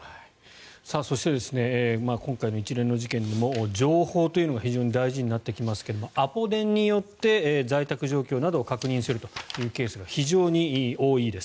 そして今回の一連の事件でも情報というのが非常に重要になってきますがアポ電によって在宅状況などを確認するというケースが非常に多いです。